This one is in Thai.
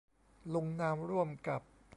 ลงนามร่วมกับ